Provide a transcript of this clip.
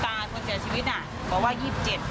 คนตายคนเจอชีวิต่ะบอกว่ายี่สิบเจ็ด